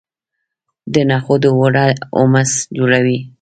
د نخودو اوړه هومس جوړوي.